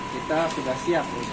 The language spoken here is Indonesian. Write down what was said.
kita sudah siap untuk menyimpan